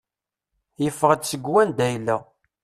Yeffeɣ-d seg wanda yella.